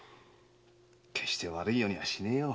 決して悪いようにはしねえよ。